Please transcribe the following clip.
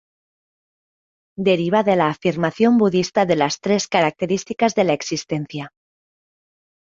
Deriva de la afirmación budista de las Tres Características de la Existencia.